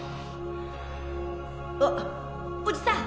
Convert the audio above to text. あっおじさん！